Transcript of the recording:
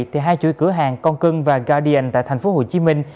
thì hai chuỗi cửa hàng con cưng và guardian tại thành phố hồ chí minh